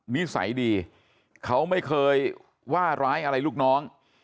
นิสัยดีเขาไม่เคยว่าร้ายอะไรลูกน้อง